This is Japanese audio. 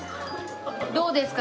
どうですか？